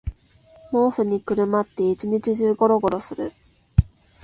毛布にくるまって一日中ゴロゴロする